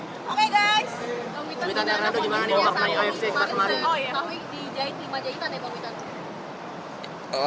pemerintah dari ratu di jahit lima jahitan ya pemerintah